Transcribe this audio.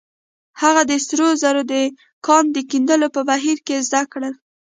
هغه د سرو زرو د کان د کیندلو په بهير کې زده کړل.